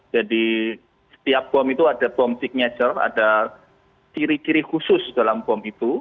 jadi setiap bom itu ada bom signature ada kiri kiri khusus dalam bom itu